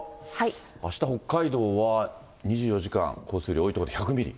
あした北海道は２４時間、降水量多い所で１００ミリ。